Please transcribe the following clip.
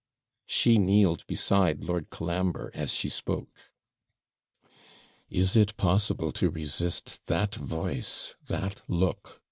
She kneeled beside Lord Colambre, as she spoke. 'Is it possible to resist that voice that look?'